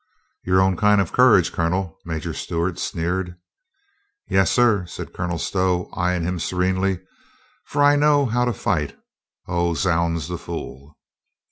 "Your own kind of courage, Colonel," Major Stewart sneered. "Yes, sir," said Colonel Stow, eying him serene ly, "for I know how to fight. ... Oh, zounds, the fool